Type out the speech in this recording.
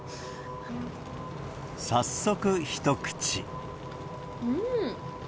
早速、一口。